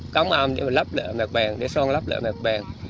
cống âm để mà lắp lại mẹ quán